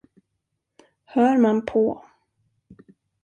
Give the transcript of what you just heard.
Hör man på.